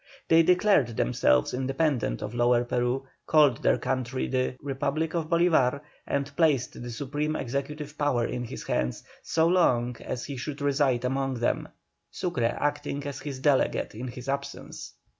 They declared themselves independent of Lower Peru, called their country the "Republic of Bolívar," and placed the supreme executive power in his hands so long as he should reside among them, Sucre acting as his delegate in his absence.